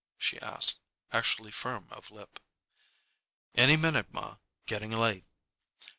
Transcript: she asked, actually firm of lip. "Any minute, ma. Getting late."